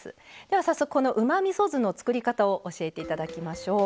では早速このうまみそ酢の作り方を教えて頂きましょう。